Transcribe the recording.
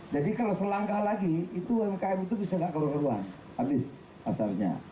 jadi kalau selangkah lagi umkm itu bisa tidak keberhentian habis pasarnya